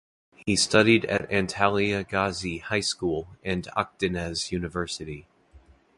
He studied at Antalya Gazi High School and Akdeniz University.